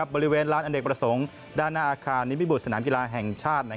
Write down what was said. บริเวณร้านอเนกประสงค์ด้านหน้าอาคารนิมิบุตรสนามกีฬาแห่งชาติ